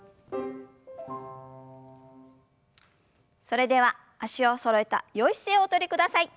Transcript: それでは脚をそろえたよい姿勢をおとりください。